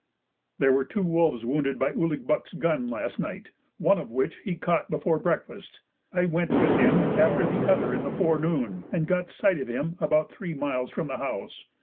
There were two wolves wounded by Ouligbuck's gun last night, one of which he caught before breakfast. I went with him after the other in the forenoon, and got sight of him about three miles from the house.